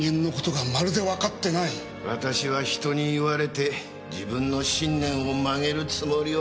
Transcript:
私は人に言われて自分の信念を曲げるつもりは。